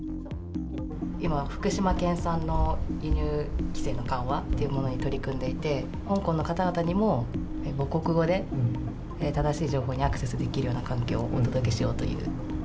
今、福島県産の輸入規制の緩和というものに取り組んでいて、香港の方々にも、母国語で正しい情報にアクセスできるような環境をお届けしようという。